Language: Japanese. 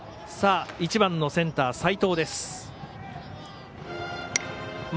１番のセンター、齋藤です。